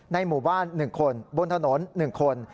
หมู่บ้าน๑คนบนถนน๑คน